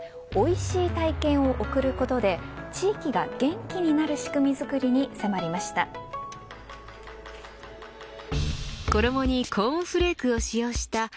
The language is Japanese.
おいしい体験を贈ることで地域が元気になる仕組み作りに迫りました。